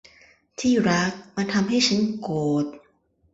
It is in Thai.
ที่รัก มันทำให้ฉันโกรธ